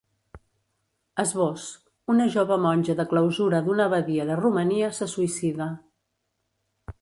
Esbós: Una jove monja de clausura d’una abadia de Romania se suïcida.